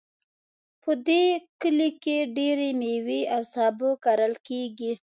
په دې کلي کې ډیری میوې او سابه کرل کیږي